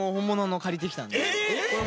えっ！？